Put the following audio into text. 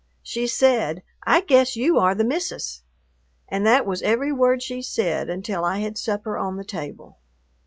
She said, "I guess you are the Missus." And that was every word she said until I had supper on the table.